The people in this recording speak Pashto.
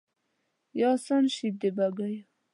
یا آسان شي د بګیو